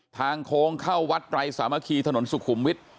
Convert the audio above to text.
ทางโค้งเข้าวัดไตรสามัคคีถนนสุขุมวิทย์